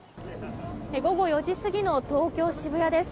午後４時過ぎの東京・渋谷です。